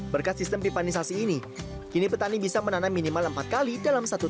berkat sistem pipanisasi ini kini petani bisa menanam minimal empat kali dalam satu tahun